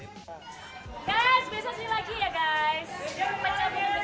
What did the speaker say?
guys besok semuanya lagi ya guys